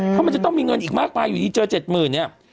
เพราะมันจะต้องมีเงินอีกมากมายอยู่ดีเจอ๗๐๐เนี่ย